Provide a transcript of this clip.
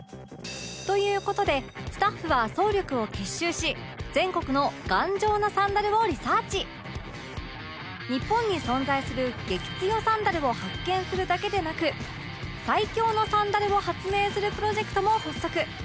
という事でスタッフは総力を結集し日本に存在する激強サンダルを発見するだけでなく最強のサンダルを発明するプロジェクトも発足